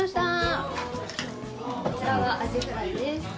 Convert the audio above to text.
こちらがアジフライです。